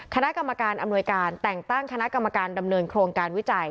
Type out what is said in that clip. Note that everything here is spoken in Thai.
คณะกรรมการอำนวยการแต่งตั้งคณะกรรมการดำเนินโครงการวิจัย